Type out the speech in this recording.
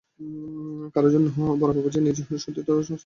কারো জন্যে বড়োবাবু যে নিজের স্বত্ব নষ্ট করবে, এ ওদের গায়ে সয় না।